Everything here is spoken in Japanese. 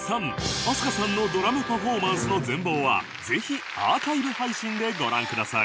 飛鳥さんのドラムパフォーマンスの全貌はぜひアーカイブ配信でご覧ください